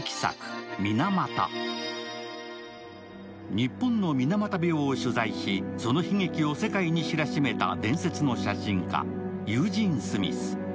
日本の水俣病を取材し、その悲劇を世界に知らしめた伝説の写真家、ユージン・スミス。